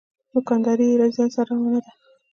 دوکانداري یې له زیان سره روانه ده.